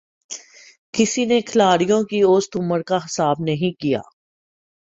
کسی نے کھلاڑیوں کی اوسط عمر کا حساب نہیں کِیا